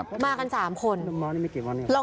เพื่อนบ้านเจ้าหน้าที่อำรวจกู้ภัย